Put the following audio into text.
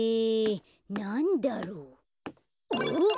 なんだろう？おっ！